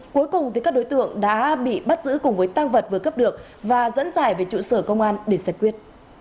cuối cùng các đối tượng đã bị bắt giữ cùng với tăng vật vừa cướp được và dẫn dài về trụ sở công an để xét quyết